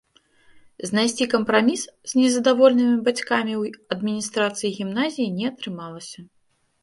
Знайсці кампраміс з незадаволенымі бацькамі ў адміністрацыі гімназіі не атрымалася.